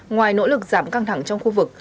ngoài nỗ lực giảm căng thẳng trong khu vực